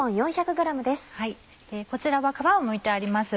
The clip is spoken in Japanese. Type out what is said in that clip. こちらは皮をむいてあります。